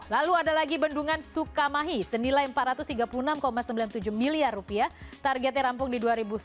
lalu ada lagi bendungan sukamahi senilai rp empat ratus tiga puluh enam sembilan puluh tujuh miliar rupiah targetnya rampung di dua ribu sembilan belas